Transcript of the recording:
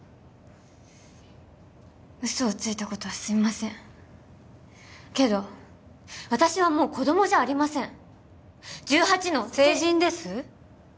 ウソをついたことはすいませんけど私はもう子供じゃありません１８の成人です？